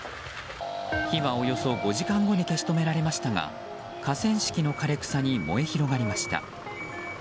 火はおよそ５時間後に消し止められましたが河川敷の枯れ草に燃え広がりました。